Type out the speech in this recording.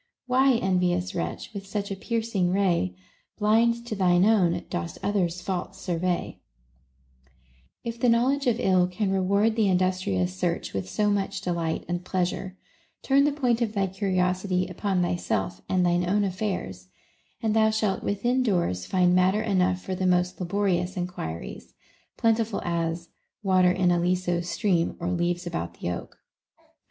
Why envious wretch, with sueli a piercing ray, Blind to thine own, dost others' faults survey 1 If the knowledge of ill can reward the industrious search with so much delight and pleasure, turn the point of thy curiosity upon thyself and thine own affairs, and thou shalt within doors find matter enough for the most laborious enquiries, plentiful as Water in Aliso's stream, or leaves about the oak.